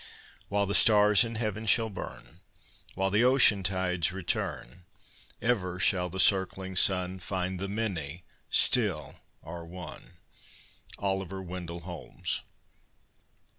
While the stars in heaven shall burn, While the ocean tides return, Ever shall the circling sun Find the Many still are One! OLIVER WENDELL HOLMES.